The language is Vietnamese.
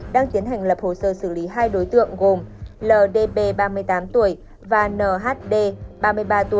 đang tiến hành lập hồ sơ xử lý hai đối tượng gồm ldb ba mươi tám tuổi và nhd ba mươi ba tuổi